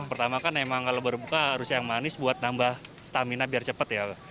pertama kan emang kalau berbuka harus yang manis buat nambah stamina biar cepet ya